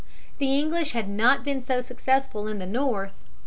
The English had not been so successful in the North.